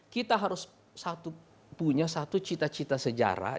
kita harus punya satu cita cita sejarah